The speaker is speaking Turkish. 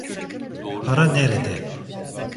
Para nerede?